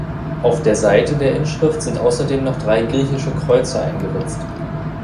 Auf der Seite der Inschrift sind außerdem noch drei griechische Kreuze eingeritzt.